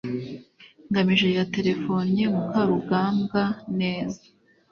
ngamije yaterefonnye mukarugambwa neza